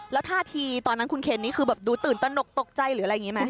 แล้วท่าทีตอนนั้นคุณเคนนี่คือแบบดูตื่นตนกตกใจหรืออะไรอย่างนี้ไหม